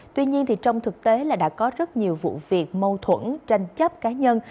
tuy nhiên trong thực tế là đã có rất nhiều vụ việc mâu thuẫn tranh chấp cá nhân